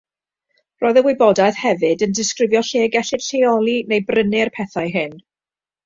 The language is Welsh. Roedd y wybodaeth hefyd yn disgrifio lle gellid lleoli neu brynu'r pethau hyn.